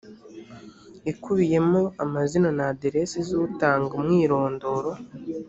ikubiyemo amazina na aderesi z ‘utanga umwirondoro.